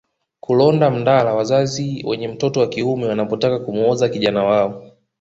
Kulonda mdala wazazi wenye mtoto wa kiume wanapotaka kumwoza kijana wao